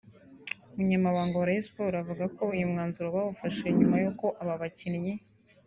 umunyamabanga wa Rayon Sports avuga ko uyu mwanzuro bawufashe nyuma y’uko aba bakinnyi